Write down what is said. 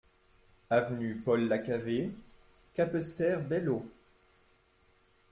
Avenue Paul Lacavé, Capesterre-Belle-Eau